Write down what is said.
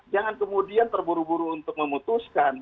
jangan kemudian terburu buru untuk memutuskan